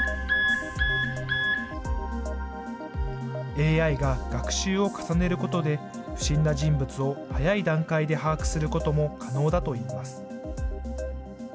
ＡＩが学習を重ねることで、不審な人物を早い段階で把握することも可能だといいます。